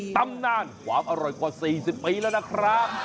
ตำนานความอร่อยกว่า๔๐ปีแล้วนะครับ